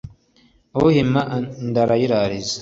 Uhima inda arayirariza.